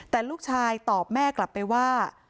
แต่ลูกชายตอบแม่กลับไปว่า